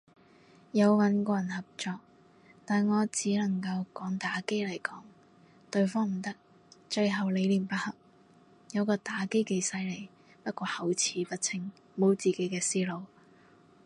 有穩過人合作，但我只能夠講打機來講，對方唔得，最後理念不合，有個打機几犀利，不過口齒不清，無自己嘅思路。